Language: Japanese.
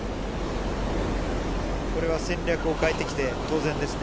これは戦略を変えてきて当然ですね。